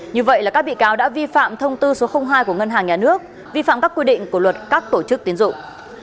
như vậy là các bị cáo đã vi phạm thông tư số hai của ngân hàng nhà nước vi phạm các quy định của luật các tổ chức tiến dụng